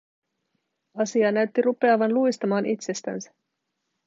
Asia näytti rupeavan luistamaan itsestänsä.